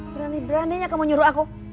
berani beraninya kamu nyuruh aku